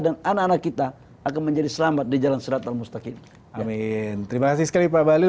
dan anak anak kita akan menjadi selamat di jalan serata mustaqim amin terima kasih sekali pak balil